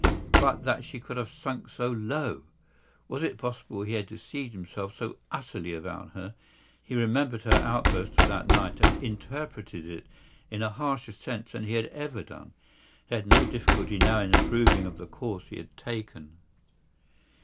But that she could have sunk so low! Was it possible he had deceived himself so utterly about her? He remembered her outburst of that night and interpreted it in a harsher sense than he had ever done. He had no difficulty now in approving of the course he had taken.